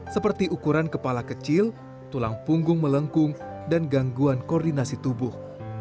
seperti ukuran kepala kecil tulang punggung melengkung dan gangguan koordinasi tubuh